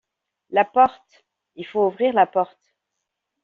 La porte! Il faut ouvrir la porte !